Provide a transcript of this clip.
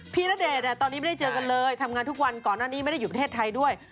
ณเดชน์ตอนนี้ไม่ได้เจอกันเลยทำงานทุกวันก่อนหน้านี้ไม่ได้อยู่ประเทศไทยด้วย